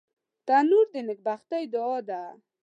تنور د نیکبختۍ دعا ده